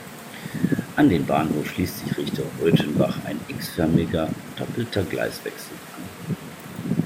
An den Bahnhof schließt sich Richtung Röthenbach ein x-förmiger doppelter Gleiswechsel an.